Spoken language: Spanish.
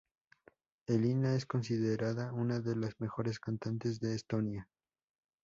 Elina es considerada una de las mejores cantantes de Estonia.